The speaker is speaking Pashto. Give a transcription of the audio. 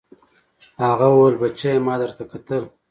هغه وويل بچيه ما درته کتل.